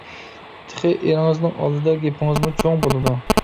تېخى ئېرىڭىزنىڭ ئالدىدا گېپىڭىزمۇ چوڭ بولىدۇ!